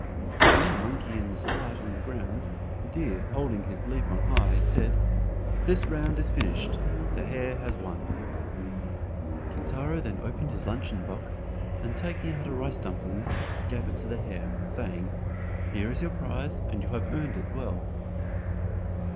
Seeing the monkey in this plight on the ground, the deer holding his leaf on high said: "This round is finished—the hare has won." Kintaro then opened his luncheon box and taking out a rice dumpling, gave it to the hare saying: "Here is your prize, and you have earned, it well!"